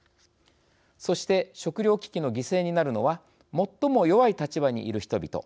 そして食料危機の犠牲になるのは最も弱い立場にいる人々。